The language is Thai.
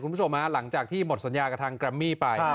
คุณผู้ชมหลังจากที่หมดสัญญากับทางแกรมมี่ไป